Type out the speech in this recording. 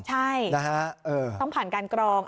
ใช่ต้องผ่านการกรอง